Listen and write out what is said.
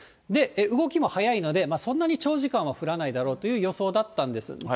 で、動きも速いのでそんなに長時間は降らないだろうという予想だったんです。